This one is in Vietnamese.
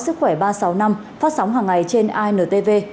sức khỏe ba trăm sáu mươi năm phát sóng hàng ngày trên intv